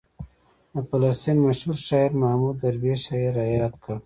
د فلسطین مشهور شاعر محمود درویش یې رایاد کړ.